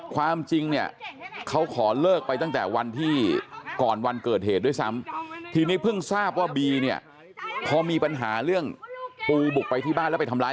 ความจริงเนี่ยเขาขอเลิกไปตั้งแต่วันที่ก่อนวันเกิดเหตุด้วยซ้ำทีนี้เพิ่งทราบว่าบีเนี่ยพอมีปัญหาเรื่องปูบุกไปที่บ้านแล้วไปทำร้าย